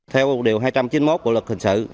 theo điều hai trăm chín mươi một của luật hình sự